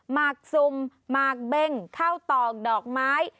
หมากซุ่มหมากเบ้งข้าวตอกดอกไม้